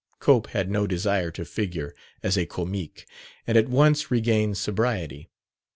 Cope had no desire to figure as a comique, and at once regained sobriety.